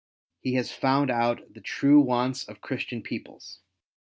He has found out the true wants of Christian peoples.